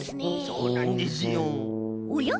そうなんですよ。